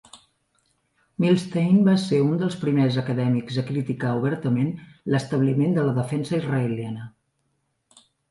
Milstein va ser un dels primers acadèmics a criticar obertament l'establiment de la defensa israeliana.